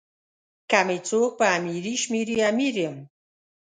که می څوک په امیری شمېري امیر یم.